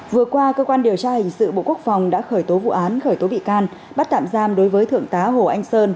vừa qua cơ quan điều tra hình sự bộ quốc phòng đã khởi tố vụ án khởi tố bị can bắt tạm giam đối với thượng tá hồ anh sơn